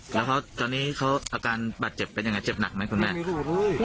แล้วพ่อตอนนี้เขาการบัตรเจ็บเป็นยังไงเจ็บหนักไหมคุณแม่ยังไม่ดูด้วย